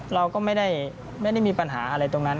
เราก็ไม่ได้มีปัญหาอะไรตรงนั้น